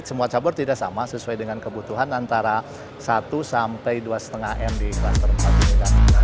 semua cabur tidak sama sesuai dengan kebutuhan antara satu sampai dua lima m di kluster empat ini